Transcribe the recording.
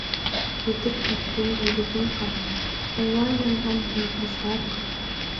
يېتىپ كەتتىم يۈرىكىم قاناپ، غۇۋا يانغان يۇلتۇزغا بېقىپ.